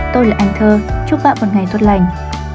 tôi là anh thơ chúc bạn một ngày tốt lành